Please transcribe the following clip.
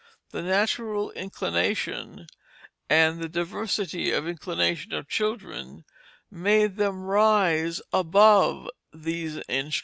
The natural inclination and the diversity of inclination of children made them rise above these instructions.